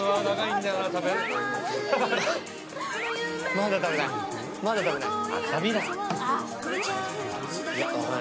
まだ食べない、まだ食べない。